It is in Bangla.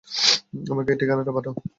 আমাকে ঠিকানাটা পাঠাও।